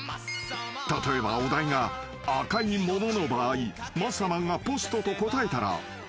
［例えばお題が赤いものの場合マッサマンがポストと答えたら］